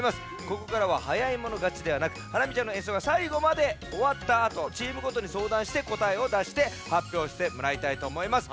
ここからははやいものがちではなくハラミちゃんのえんそうがさいごまでおわったあとチームごとにそうだんしてこたえをだしてはっぴょうしてもらいたいとおもいます。